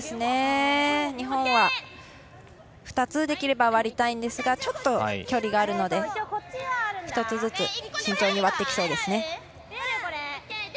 日本はできれば２つ割りたいんですがちょっと距離があるので１つずつ慎重に割ってきそうです。